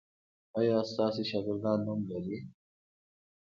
ایا ستاسو شاګردان نوم لری؟